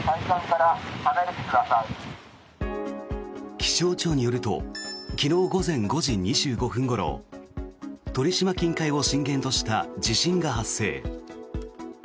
気象庁によると昨日午前５時２５分ごろ鳥島近海を震源とした地震が発生。